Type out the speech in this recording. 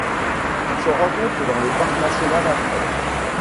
Elle se rencontre dans le parc national Alfred.